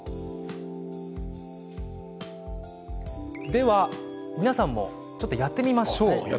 では皆さんもやってみましょう。